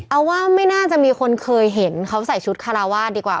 เอาว่าไม่น่าจะมีคนเคยเห็นเขาใส่ชุดคาราวาสดีกว่า